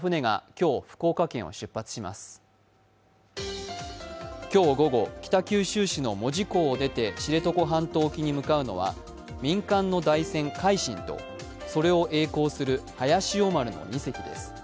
今日午後、北九州市の門司港を出て知床半島沖に向かうのは民間の台船「海進」とそれをえい航する「早潮丸」の２隻です。